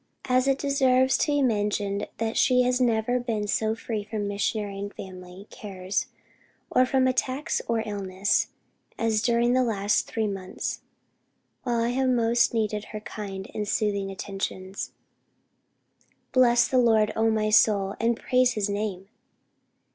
And it deserves to be mentioned that she has never been so free from missionary and family cares, or from attacks of illness, as during the last three months, while I have most needed her kind and soothing attentions. Bless the Lord oh my soul, and praise his name!"